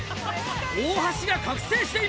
大橋が覚醒しています！